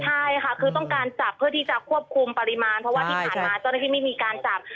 ใช่ค่ะคือต้องการจับเพื่อที่จะควบคุมปริมาณเพราะว่าที่ผ่านมาเจ้าหน้าที่ไม่มีการจับ